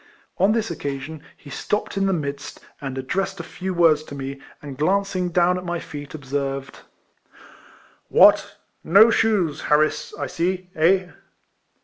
On this occasion, he stopped in the midst, and addressed a few words to me, and glanc ing down at my feet, observed : "What! no shoes, Harris, I see, eh?"